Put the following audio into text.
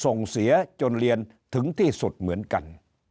ส่งเสียจนเรียนถึงที่สุดเหมือนกัน